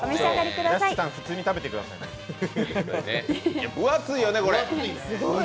屋敷さん、普通に食べてくださいね。